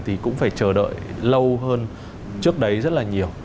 thì cũng phải chờ đợi lâu hơn trước đấy rất là nhiều